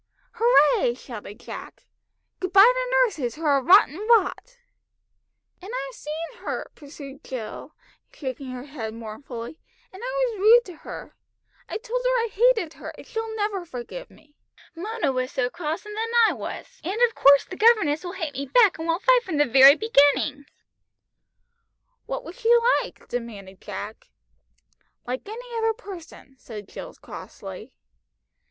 "Hurray!" shouted Jack. "Good bye to nurses, who are rotten rot!" "And I've seen her," pursued Jill, shaking her head mournfully; "and I was rude to her, I told her I hated her, and she'll never forgive me. Mona was so cross, and then I was, and of course the governess will hate me back, and we'll fight from the very beginning!" "What was she like?" demanded Jack. "Like any other person," said Jill crossly.